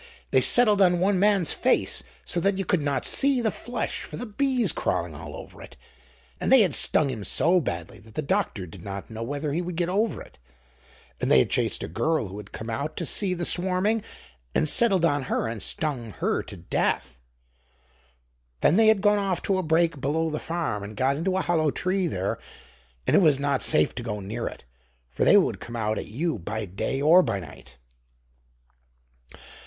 They settled on one man's face so that you could not see the flesh for the bees crawling all over it, and they had stung him so badly that the doctor did not know whether he would get over it, and they had chased a girl who had come out to see the swarming, and settled on her and stung her to death. Then they had gone off to a brake below the farm and got into a hollow tree there, and it was not safe to go near it, for they would come out at you by day or by night.